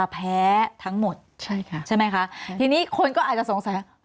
แพ้ทั้งหมดใช่ค่ะใช่ไหมคะทีนี้คนก็อาจจะสงสัย